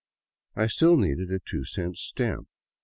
I still needed a two cent stamp.